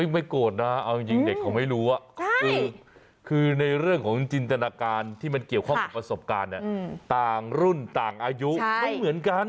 ไม่โกรธนะเอาจริงเด็กเขาไม่รู้คือในเรื่องของจินตนาการที่มันเกี่ยวข้องกับประสบการณ์เนี่ยต่างรุ่นต่างอายุไม่เหมือนกัน